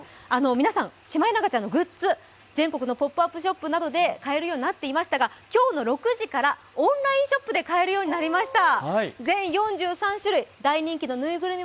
みなさん、シマエナガちゃんのグッズ、全国のポップアップショップで買えるようになっていましたが今日の６時からオンラインショップで買えるようになりました。